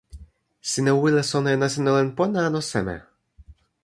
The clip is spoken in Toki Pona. sina wile sona e nasin olin pona, anu seme?